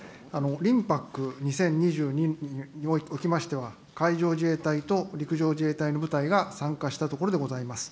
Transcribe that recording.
リムパック２０２２におきましては、海上自衛隊と陸上自衛隊の部隊が参加したところでございます。